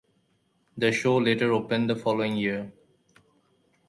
The show later opened the following year.